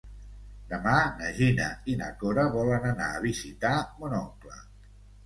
Demà na Gina i na Cora volen anar a visitar mon oncle.